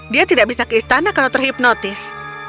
dia tidak bisa ke istana kalau terhipnotis